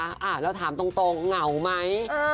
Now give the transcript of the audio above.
แล้วถามตรงเหงาไหม